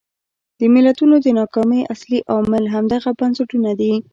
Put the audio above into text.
د ملتونو د ناکامۍ اصلي عامل همدغه بنسټونه دي.